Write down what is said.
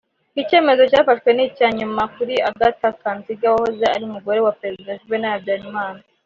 Iki cyemezo cyafashwe ni icya nyuma kuri Agatha Kanziga wahoze ari Umugore wa Perezida Juvenal Habyarimana